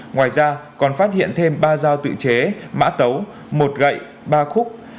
ngoài ra còn phát hiện thêm ba dao tự chế mã tấu một gậy ba khúc